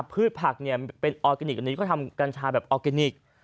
พืชผักเป็นออร์กานิคอันนี้อยากทำจับกัญชาแบบออร์กานิค